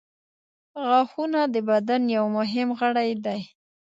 • غاښونه د بدن یو مهم غړی دی.